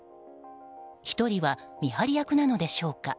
１人は見張り役なのでしょうか。